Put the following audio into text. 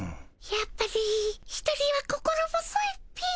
やっぱり一人は心細いっピィ。